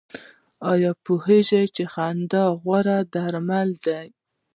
ایا پوهیږئ چې خندا غوره درمل ده؟